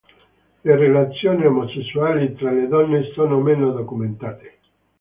Le relazioni omosessuali tra le donne sono meno documentate.